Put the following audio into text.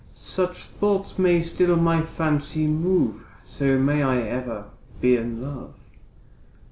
Such thoughts may still my fancy move, So may I ever be in love.